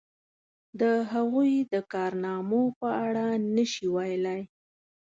د هغوی د کارنامو په اړه نشي ویلای.